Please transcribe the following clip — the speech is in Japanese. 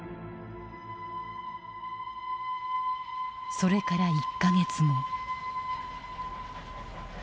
それから１か月後。